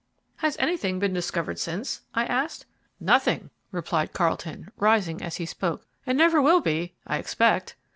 "Has anything been discovered since?" I asked. "Nothing," replied Carlton, rising as he spoke, "and never will be, I expect.